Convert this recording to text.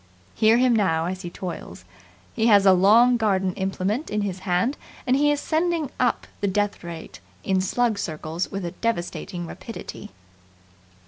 Hear him now as he toils. He has a long garden implement in his hand, and he is sending up the death rate in slug circles with a devastating rapidity.